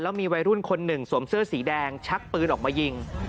มีวัยรุ่นคนหนึ่งสวมเสื้อสีแดงชักปืนออกมายิง